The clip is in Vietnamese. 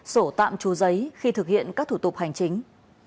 sổ tạm trú giấy khi thực hiện các thủ tục hành chính